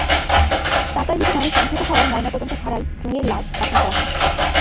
টাকার বিনিময়ে সমঝোতা হওয়ায় ময়নাতদন্ত ছাড়াই জুঁইয়ের লাশ দাফন করা হয়।